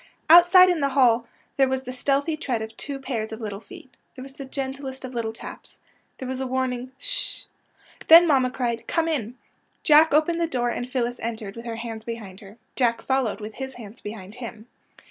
Outside in the hall there was the stealthy tread of two pairs of little feet. There was the gentlest of little taps. There was a warn ing ^' Sh." Then mamma cried '' Come in." Jack opened the door, and Phyllis entered, with her hands behind her. Jack followed, with his hands behind him.